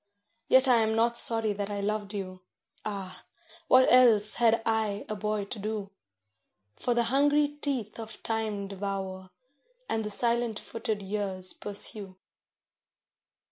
Yet I am not sorry that I loved you—ah! what else had I a boy to do,— For the hungry teeth of time devour, and the silent footed years pursue.